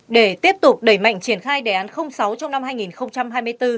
để tiếp tục đẩy mạnh triển khai đề án sáu trong năm hai nghìn hai mươi bốn